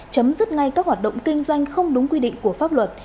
chấm dứt ngay các hoạt động kinh doanh không đúng quy định của pháp luật